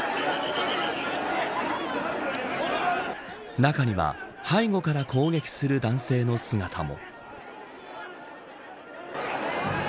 中には、背後から攻撃する男性の姿も。